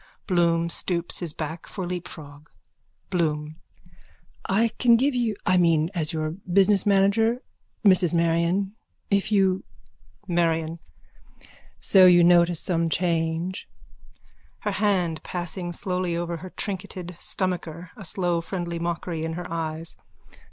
Bloom stoops his back for leapfrog.)_ BLOOM: I can give you... I mean as your business menagerer... Mrs Marion... if you... MARION: So you notice some change? _(Her hands passing slowly over her trinketed stomacher, a slow friendly mockery in her eyes.)